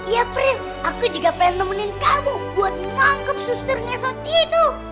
ya april aku juga pengen temenin kamu buat tangkap suster mesot itu